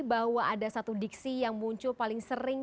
bahwa ada satu diksi yang muncul paling sering